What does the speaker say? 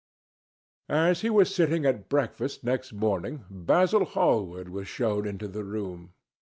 As he was sitting at breakfast next morning, Basil Hallward was shown into the room.